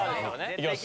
・いきます！